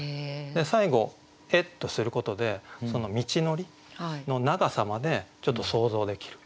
最後「へ」とすることでその道のりの長さまで想像できる。